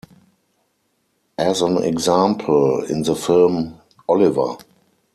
As an example, in the film Oliver!